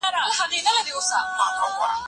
موږ باید نوي علمي حقایق پیدا کړو.